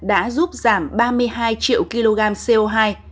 đã giúp giảm ba mươi hai triệu kg co hai